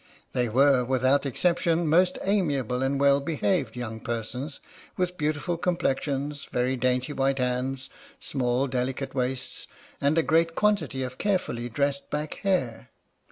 They were, without exception, most amiable and well behaved young persons, with beautiful complexions, very dainty white hands, small delicate waists, and a 77 H.M.S. "PINAFORE" great quantity of carefully dressed back hair.